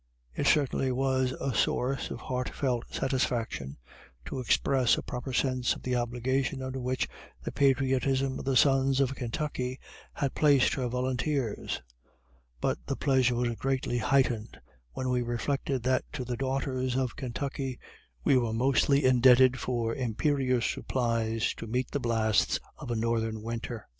It certainly was a source of heartfelt satisfaction, to express a proper sense of the obligations under which the patriotism of the sons of Kentucky had placed her volunteers; but the pleasure was greatly heightened when we reflected that to the daughters of Kentucky we were mostly indebted for imperious supplies to meet the blasts of a northern winter.